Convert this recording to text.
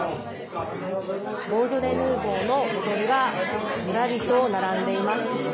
ボージョレ・ヌーボーのボトルがずらりと並んでいます。